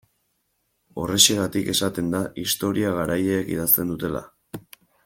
Horrexegatik esaten da historia garaileek idazten dutela.